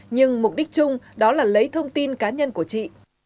nhưng mục đích chung đó là lấy thông tin cá nhân của chị